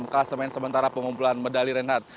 klasemen sementara pengumpulan medali renat